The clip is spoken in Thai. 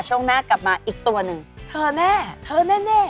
ช่วงหน้ากลับมาอีกตัวหนึ่งเธอแน่เธอแน่